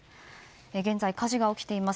現在、火事が起きています